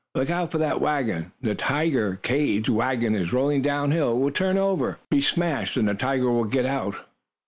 "Look out for that wagon. The tiger cage wagon is rolling down hill. It will turn over, be smashed, and the tiger will get out!